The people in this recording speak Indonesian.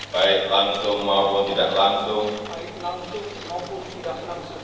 baik langsung maupun tidak langsung